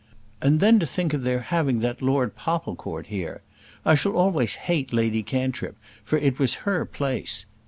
"And then to think of their having that Lord Popplecourt there! I shall always hate Lady Cantrip, for it was her place.